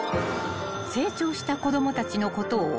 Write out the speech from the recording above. ［成長した子供たちのことを思い